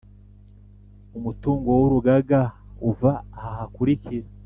Umutungo w Urugaga uva aha hakurikira